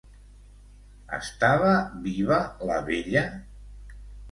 Estava viva la vella?